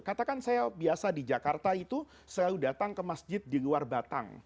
katakan saya biasa di jakarta itu selalu datang ke masjid di luar batang